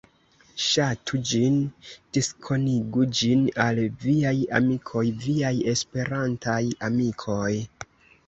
Ŝatu ĝin, diskonigu ĝin al viaj amikoj, viaj Esperantaj amikoj.